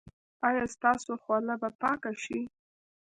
ایا ستاسو خوله به پاکه شي؟